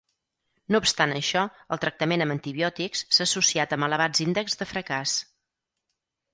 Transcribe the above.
No obstant això, el tractament amb antibiòtics, s'ha associat amb elevats índexs de fracàs.